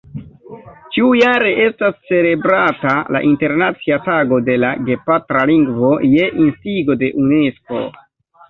Ĉiujare estas celebrata la Internacia Tago de la Gepatra Lingvo je instigo de Unesko.